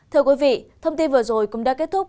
thưa quý vị thông tin vừa rồi cũng đã kết thúc